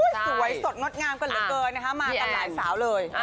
สวยสดงดงามกันเหลือเกินนะคะมากันหลายสาวเลย